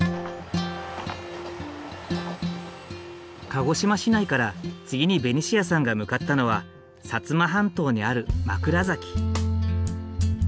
鹿児島市内から次にベニシアさんが向かったのは摩半島にある枕崎。